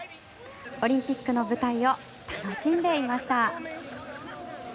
オリンピックの舞台を楽しんでいました。